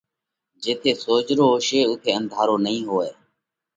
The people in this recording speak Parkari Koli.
جيٿئہ سوجھرو هوشي اُوٿئہ انڌارو نئين هوئہ